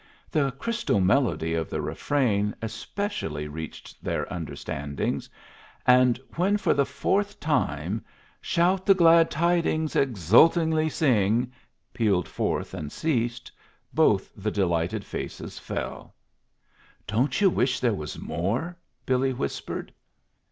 The crystal melody of the refrain especially reached their understandings, and when for the fourth time "Shout the glad tidings, exultingly sing," pealed forth and ceased, both the delighted faces fell. "Don't you wish there was more?" Billy whispered.